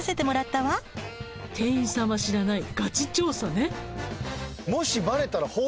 店員さんは知らないがち調査ね。